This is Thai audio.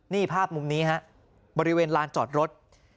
นี่ภาพมุมนี้ฮะบริเวณลานจอดรถ